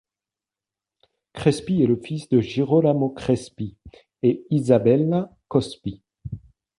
Crespi est le fils de Girolamo Crespi et Isabella Cospi.